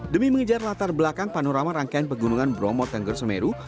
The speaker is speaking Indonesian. demi mengejar latar belakang panorama rangkaian pegunungan bromo tengger semeru